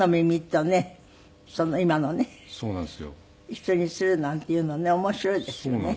一緒にするなんていうのね面白いですよね。